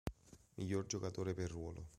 Miglior giocatore per ruolo